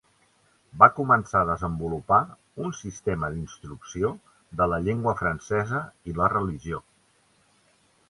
Va començar a desenvolupar un sistema d'instrucció de la llengua francesa i la religió.